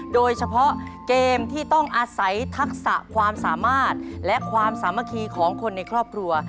โดยเฉพาะเกมที่ต้องอาศัยทักษะความสามารถและความสามัคคีของคนในครอบครัว